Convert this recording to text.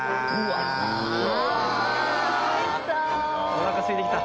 おなかすいてきた。